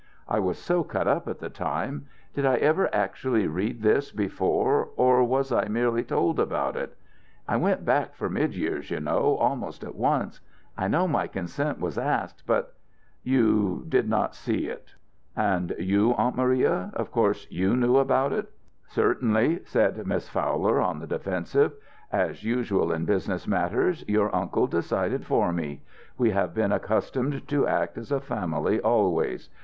"I was so cut up at the time. Did I ever actually read this before or was I merely told about it? I went back for Midyear's, you know, almost at once. I know my consent was asked, but " "You did not see it." "And you, Aunt Maria, of course you knew about it!" "Certainly," said Miss Fowler, on the defensive. "As usual in business matters, your uncle decided for me. We have been accustomed to act as a family always.